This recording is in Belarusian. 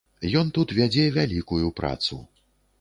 Ён тут вядзе вялікую працу.